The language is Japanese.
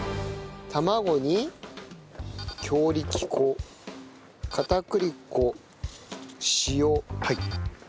卵に強力粉片栗粉塩。で混ぜる。